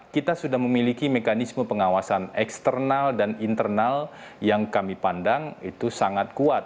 kita sudah memiliki mekanisme pengawasan eksternal dan internal yang kami pandang itu sangat kuat